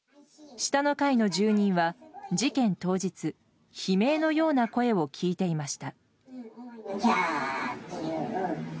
下の階の住人は事件当日悲鳴のような声を聞いていました。